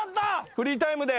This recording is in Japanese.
フリータイムで。